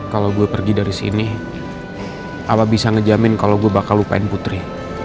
kalau gue pergi dari sini apa bisa ngejamin kalau gue bakal lupain putri